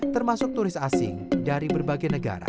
termasuk turis asing dari berbagai negara